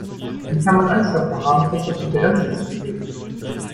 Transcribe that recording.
Wie kann man Angst davor haben, fest auf die Bremse zu treten?